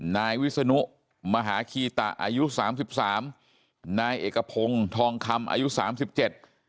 นายวิศนุมหาคีตะอายุสามสิบสามนายเอกพงศ์ทองคำอายุสามสิบเจ็ด